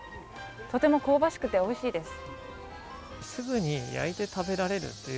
とても香ばしくておいしいです。